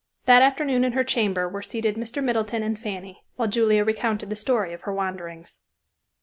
That afternoon in her chamber were seated Mr. Middleton and Fanny, while Julia recounted the story of her wanderings.